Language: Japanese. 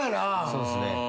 そうっすね。